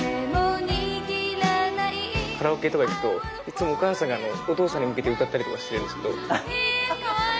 カラオケとか行くといつもお母さんがお父さんに向けて歌ったりとかしてるんですけど。えかわいい！